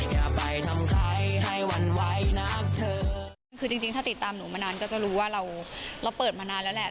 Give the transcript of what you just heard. จริงถ้าติดตามหนูมานานก็จะรู้ว่าเราเปิดมานานแล้วแหละ